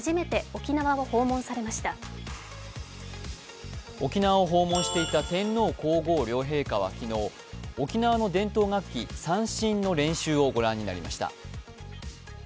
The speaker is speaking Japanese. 沖縄を訪問していた天皇皇后両陛下は昨日、沖縄の伝統楽器・三線の練習をご覧になりました。